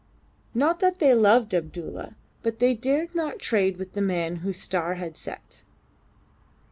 Not that they loved Abdulla, but they dared not trade with the man whose star had set.